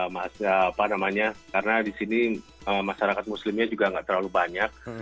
jadi kalau ramadan sepi pak karena di sini masyarakat muslimnya juga nggak terlalu banyak